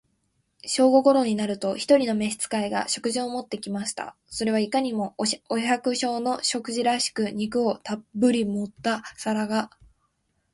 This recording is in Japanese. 正午頃になると、一人の召使が、食事を持って来ました。それはいかにも、お百姓の食事らしく、肉をたっぶり盛った皿が、